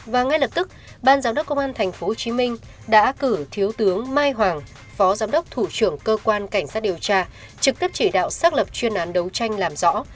và ngay lập tức ban giám đốc công an thành phố hồ chí minh đã cử thiếu tướng mai hoàng phó giám đốc thủ trưởng cơ quan cảnh sát điều tra trực tiếp chỉ đạo xác lập chuyên án đấu tranh làm rõ